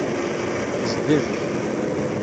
Zdel.